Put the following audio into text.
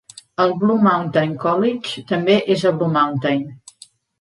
El Blue Mountain College també és a Blue Mountain.